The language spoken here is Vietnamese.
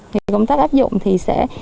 cái công tác áp dụng thì sẽ